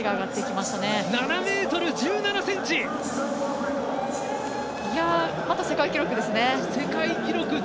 また世界記録ですね。